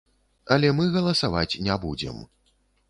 Але мы галасаваць не будзем.